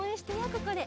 ここで。